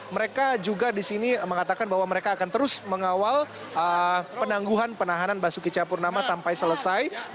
mereka juga di sini mengatakan bahwa mereka akan terus mengawal penangguhan penahanan basuki cahapurnama sampai selesai